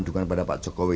dukungan kepada pak jokowi